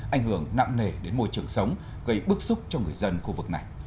ảnh hưởng nặng nề đến môi trường sống gây bức xúc cho người dân khu vực này